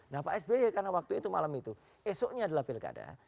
nah pak s b ya karena waktu itu malam itu esoknya adalah pilkada